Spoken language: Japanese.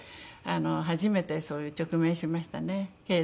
初めてそういう直面しましたね経済で。